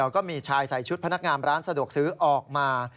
ก็มีชายใส่ชุดพนักงานร้านสะดวกซื้อออกมา